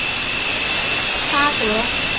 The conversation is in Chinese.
首府贾利拉巴德。